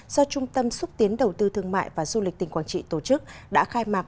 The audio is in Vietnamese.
do trung tâm xúc tiến đầu tư thương mại và du lịch tỉnh quảng trị tổ chức đã khai mạc